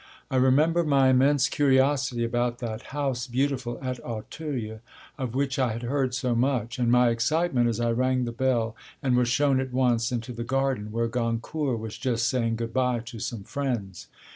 I remember my immense curiosity about that 'House Beautiful,' at Auteuil, of which I had heard so much, and my excitement as I rang the bell, and was shown at once into the garden, where Goncourt was just saying good bye to some friends.